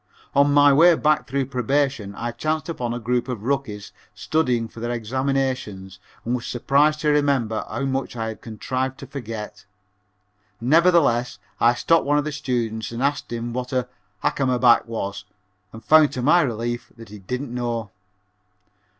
On my way back through Probation I chanced upon a group of rookies studying for their examinations and was surprised to remember how much I had contrived to forget. Nevertheless I stopped one of the students and asked him what a "hakamaback" was and found to my relief that he didn't know.